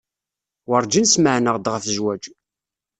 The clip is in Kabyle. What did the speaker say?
Wurǧin smeɛneɣ-d ɣef zzwaj.